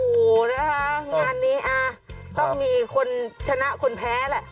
โอ้โหนะคะงานนี้ต้องมีคนชนะคนแพ้แหละ